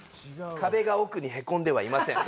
壁が奥にヘコんではいません